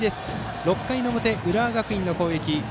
６回の表、浦和学院の攻撃。